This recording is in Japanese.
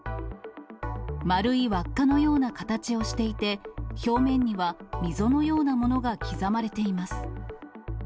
丸い輪っかのような形をしていて、表面には溝のようなものが刻まれています。